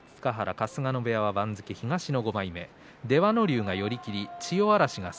春日野部屋、東の５枚目です。